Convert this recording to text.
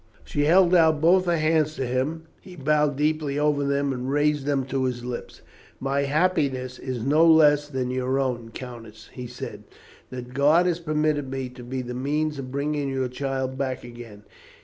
She held out both her hands to him. He bowed deeply over them and raised them to his lips. "My happiness is no less than your own, countess," he said, "that God has permitted me to be the means of bringing your child back again.